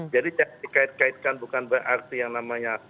jadi saya dikaitkan bukan berarti yang namanya